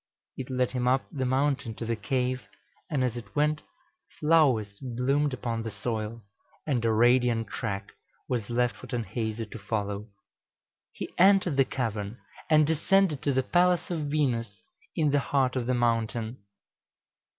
It led him up the mountain to the cave, and as it went flowers bloomed upon the soil, and a radiant track was left for Tanhäuser to follow. He entered the cavern, and descended to the palace of Venus in the heart of the mountain.